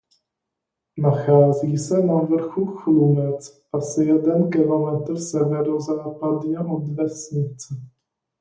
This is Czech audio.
Nachází se na vrchu Chlumec asi jeden kilometr severozápadně od vesnice.